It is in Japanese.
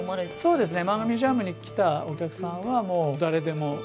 そうですね。